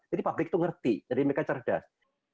jadi publik itu ngerti jadi mereka cerdas